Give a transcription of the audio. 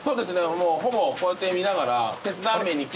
もうほぼこうやって見ながら。